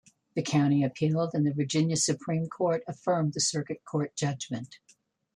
The County appealed, and the Virginia Supreme Court affirmed the Circuit Court judgment.